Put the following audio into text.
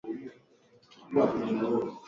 imekuwa ya kwanza kulitambuwa baraza la waasi